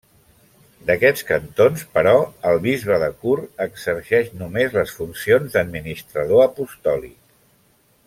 D'aquests cantons, però, el bisbe de Chur exerceix només les funcions d'administrador apostòlic.